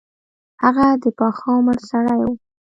هغه د پاخه عمر سړی وو.